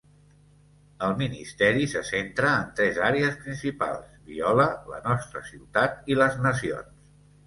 El ministeri se centra en tres àrees principals: Biola, la nostra ciutat, i les Nacions.